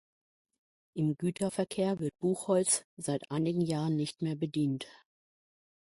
Im Güterverkehr wird Buchholz seit einigen Jahren nicht mehr bedient.